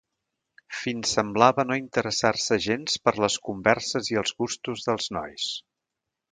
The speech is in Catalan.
Fins semblava no interessar-se gens per les converses i els gustos dels nois.